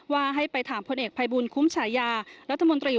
ว่าให้ไปถามพลเอกภัยบูลคุ้มฉายารัฐมนตรี